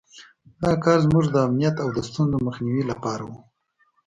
دا کار زموږ د امنیت او د ستونزو مخنیوي لپاره وو.